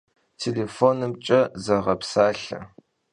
Têlêfonımç'e sığepsalhe.